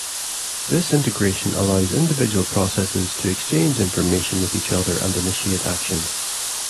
This integration allows individual processes to exchange information with each other and initiate actions.